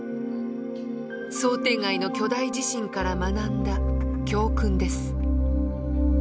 想定外の巨大地震から学んだ教訓です。